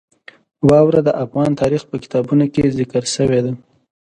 واوره د افغان تاریخ په کتابونو کې ذکر شوی دي.